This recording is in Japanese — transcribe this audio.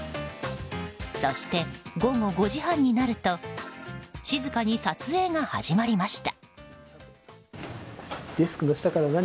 そして午後５時半になると静かに撮影が始まりました。